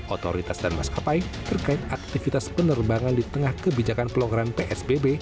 otoritas dan maskapai terkait aktivitas penerbangan di tengah kebijakan pelonggaran psbb